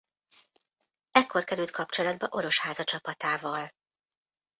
Ekkor került kapcsolatba Orosháza csapatával.